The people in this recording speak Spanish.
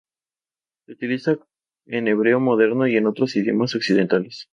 Es utilizada en hebreo moderno, y en otros idiomas occidentales.